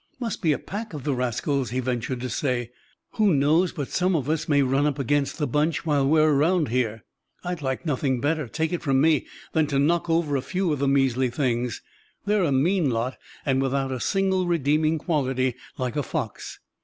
"Must be a pack of the rascals!" he ventured to say. "Who knows but some of us may run up against the bunch while we're around here? I'd like nothing better, take it from me, than to knock over a few of the measly things. They're a mean lot and without a single redeeming quality, like a fox."